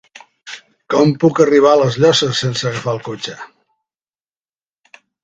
Com puc arribar a les Llosses sense agafar el cotxe?